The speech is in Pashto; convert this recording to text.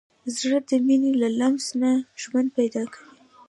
زړه د مینې له لمس نه ژوند پیدا کوي.